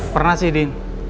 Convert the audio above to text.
pernah sih din